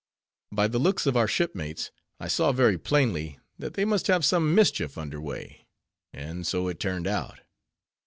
By the looks of our shipmates, I saw very plainly that they must have some mischief under weigh; and so it turned out.